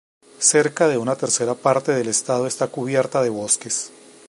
Cerca de una tercera parte del estado está cubierta de bosques.